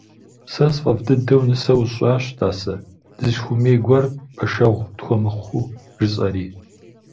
Сэ сфӏэфӏ дыдэу нысэ усщӏащ, тӏасэ, дызыхуэмей гуэр пэшэгъу тхуэмыхъуу жысӏэри.